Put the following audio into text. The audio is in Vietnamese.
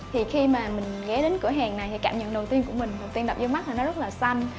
thì khi mà mình ghé đến cửa hàng này thì cảm nhận đầu tiên của mình đầu tiên đập vô mắt là nó rất là xanh